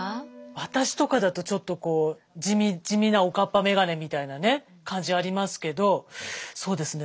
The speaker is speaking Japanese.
私とかだとちょっとこう地味なおかっぱメガネみたいなね感じありますけどそうですね